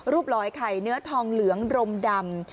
ร้อยไข่เนื้อทองเหลืองรมดำ